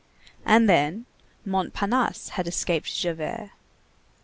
And then, Montparnasse had escaped Javert.